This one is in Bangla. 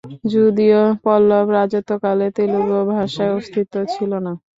যদিও পল্লব রাজত্বকালে তেলুগু ভাষার অস্তিত্ব ছিল না।